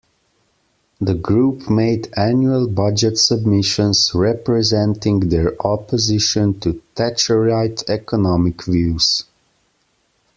The group made annual Budget submissions representing their opposition to Thatcherite economic views.